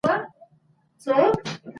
د بهرنی تګلاري پلي کول تل بریالي نه وي.